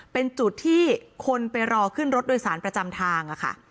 เป็นจุดที่คนไปรอขึ้นรถโดยสารประจำทางค่ะ